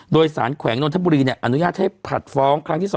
โดยสารแขวงนนทบุรีอนุญาตให้ผัดฟ้องครั้งที่๒